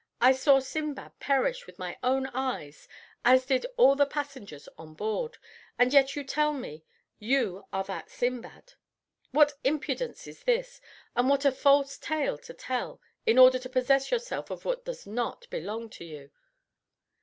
I saw Sindbad perish with my own eyes, as did also the passengers on board, and yet you tell me you are that Sindbad. What impudence is this! and what a false tale to tell, in order to possess yourself of what does not belong to you!"